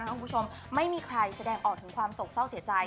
คุณผู้ชมไม่มีใครแสดงออกถึงความโศกเศร้าเสียใจ